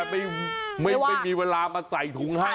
ไม่มีเวลามาใส่ถุงให้